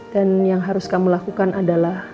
dan yang harus kamu lakukan adalah